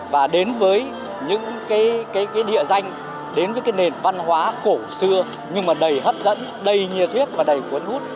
và đến với những địa danh đến với nền văn hóa cổ xưa nhưng mà đầy hấp dẫn đầy nhiệt huyết và đầy cuốn hút